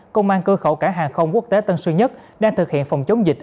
công an cơ khẩu cả hàng không quốc tế tân sư nhất đang thực hiện phòng chống dịch